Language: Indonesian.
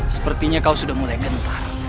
sepertinya kau sudah mulai gentar